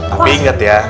tapi inget ya